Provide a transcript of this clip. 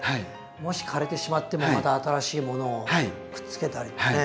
もし枯れてしまってもまた新しいものをくっつけたりね。